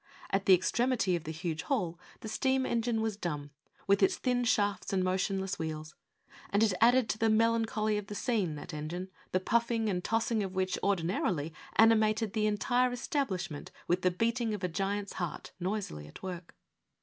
At the extremity of the huge hall the steam engine was dumb, with its thin shafts and motion less wheels ; and it added to the melancholy of the scene, that engine, the puffing and tossing of which ordinarily animated the entire establishment with the beating of a giant's heart, noisily at work.